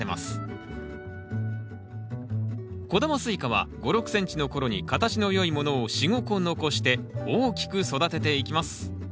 小玉スイカは５６ｃｍの頃に形の良いものを４５個残して大きく育てていきます